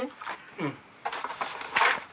うん。